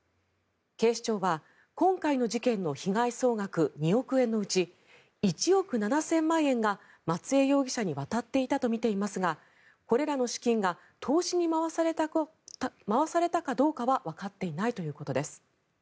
警視庁は、今回の事件の被害総額２億円のうち１億７０００万円が松江容疑者に渡っていたとみていますがこれらの資金が投資に回されたかどうかはわかっていないということです。